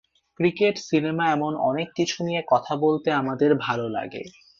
Cricket, cinema এমন অনেক কিছু নিয়ে কথা বলতে আমাদের ভালো লাগে।